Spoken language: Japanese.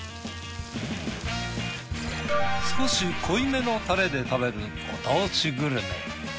少し濃いめのタレで食べるご当地グルメ。